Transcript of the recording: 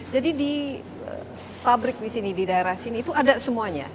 jadi di pabrik di sini di daerah sini itu ada semuanya